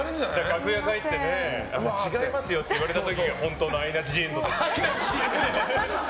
楽屋に帰って違いますよって言われた時が本当のアイナ・ジ・エンドですよね。